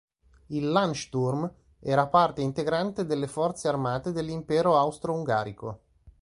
Il Landsturm era parte integrante delle forze armate dell'Impero austro-ungarico.